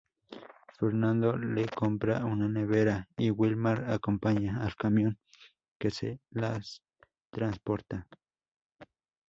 Fernando le compra una nevera y Wilmar acompaña al camión que se las transporta.